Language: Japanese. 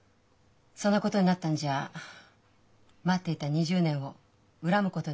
そんなことになったんじゃ待っていた２０年を恨むことになると思います。